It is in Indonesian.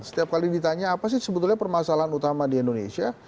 setiap kali ditanya apa sih sebetulnya permasalahan utama di indonesia